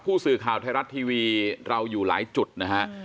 ผู้สื่อข่าวไทยรัฐทีวีเราอยู่หลายจุดนะฮะ